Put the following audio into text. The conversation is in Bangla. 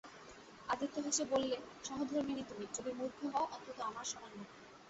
আদিত্য হেসে বললে, সহধর্মিণী তুমি, যদি মুর্খ হও অন্তত আমার সমান মুর্খ।